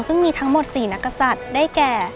ซึ่งมีทั้งหมด๔นักศัตริย์ได้แก่